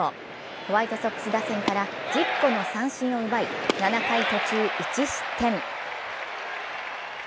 ホワイトソックス打線から、１０個の三振を奪い、７回途中１失点。